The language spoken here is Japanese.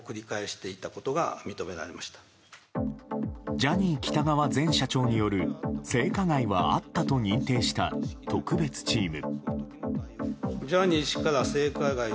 ジャニー喜多川前社長による性加害はあったと認定した特別チーム。